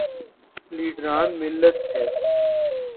لیڈران ملت تھے۔